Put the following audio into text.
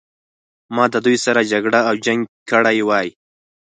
ما د دوی سره جګړه او جنګ کړی وای.